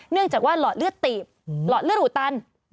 เนื่องจากว่าหลอดเลือดตีบหลอดเลือดอุดตัน